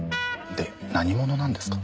で何者なんですか？